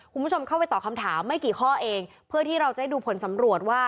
คุณผู้ชมเข้าไปตอบคำถามไม่กี่ข้อเองเพื่อที่เราจะได้ดูผลสำรวจว่า